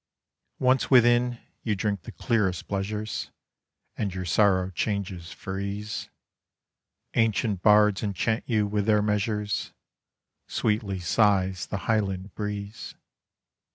Once within, you drink the clearest pleasures, And your sorrow change for ease; Ancient bards enchant you with their measures, Sweetly sighs the Highland breeze.